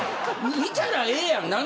見たらええやん。